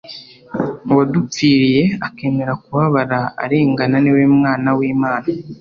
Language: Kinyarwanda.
Uwadupfiriye akemera kubabara arengana niwe mwana wimana